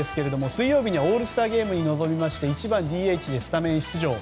水曜日にオールスターゲームに臨み１番ＤＨでスタメン出場。